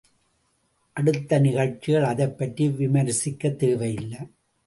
அடுத்த நிகழ்ச்சிகள் அதைப் பற்றி விமரிசிக்கத் தேவை இல்லை.